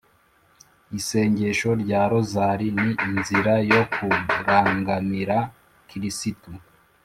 isengesho rya rozali ni inzira yo kurangamira kristu: